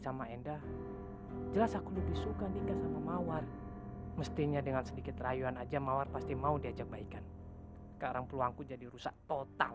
sebelum kita mendapatkan kebahagiaan